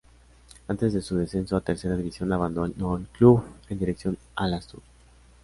Antes de su descenso a tercera división, abandonó el club en dirección al Astur.